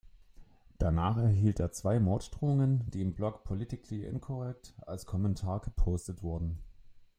Danach erhielt er zwei Morddrohungen, die im Blog Politically Incorrect als Kommentar gepostet wurden.